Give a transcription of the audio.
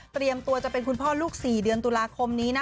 ตัวจะเป็นคุณพ่อลูก๔เดือนตุลาคมนี้นะ